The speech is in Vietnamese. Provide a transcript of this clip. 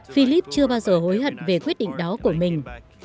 philip chưa bao giờ hối hận về quyết định đó của mình